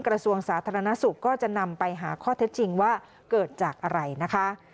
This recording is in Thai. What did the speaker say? กระทรวงสาธารณสุขก็จะนำไปหาข้อเท็จจริงว่าเกิดจากอะไรนะคะ